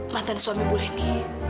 mantan suami bule ini